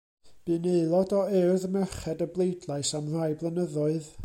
Bu'n aelod o Urdd Merched y Bleidlais am rai blynyddoedd.